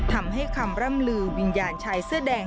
ทำให้คำร่ำลือวิญญาณชายเสื้อแดง